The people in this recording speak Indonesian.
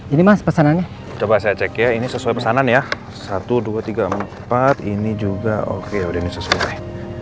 ini mas pesanannya coba saya cek ya ini sesuai pesanan ya satu dua tiga empat ini juga oke udah ini sesuai